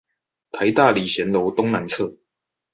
臺大禮賢樓東南側